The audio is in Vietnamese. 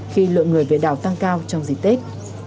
khi lượng người về đảo tăng cao trong dịp tết